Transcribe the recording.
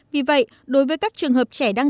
vì vậy đối với các trường hợp trẻ